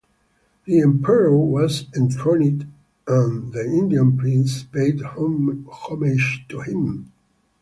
The Emperor was enthroned, and the Indian princes paid homage to him.